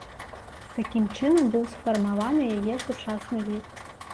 Такім чынам быў сфармаваны яе сучасны від.